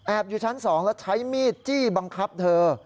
อยู่ชั้น๒แล้วใช้มีดจี้บังคับเธอ